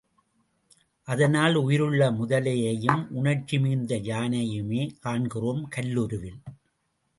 அதனால் உயிருள்ள முதலையையும் உணர்ச்சி மிகுந்த யானையையுமே காண்கிறோம் கல்லுருவில்.